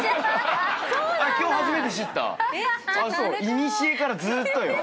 いにしえからずっとよ。